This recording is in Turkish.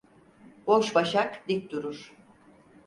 Boş başak dik durur.